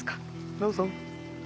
どうぞ。